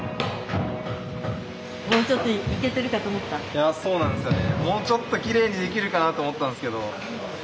いやそうなんですよね。